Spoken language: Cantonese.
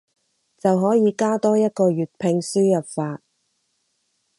就可以加多一個粵拼輸入法